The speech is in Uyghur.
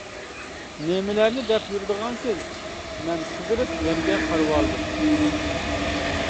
-نېمىلەرنى دەپ يۈرىدىغانسىز، -مەن قىزىرىپ يەرگە قارىۋالدىم.